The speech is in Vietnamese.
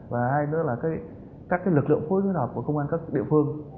và hai nữa là các lực lượng phối hợp của công an các địa phương